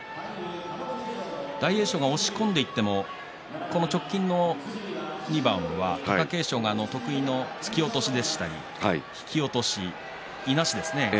大栄翔が押し込んでいっても直近の２番は貴景勝が得意の突き落としだったり引き落としだったりいなすんですね